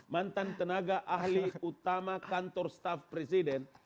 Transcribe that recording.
mantan tenaga ahli utama kantor staff presiden